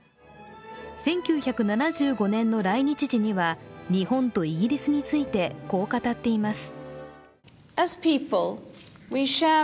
１９７５年の来日時には日本とイギリスについてこう語っています。